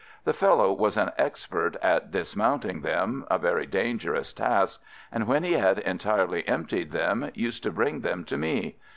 The fellow was an expert at dismounting them, — a very dangerous task, — and when he had entirely emptied them, used to bring them to me.